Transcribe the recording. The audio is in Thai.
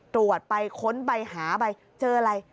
ตรวจไปค้นไปหาไปเจออะไร